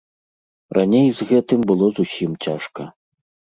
Раней з гэтым было зусім цяжка.